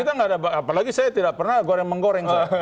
kita nggak ada apalagi saya tidak pernah goreng menggoreng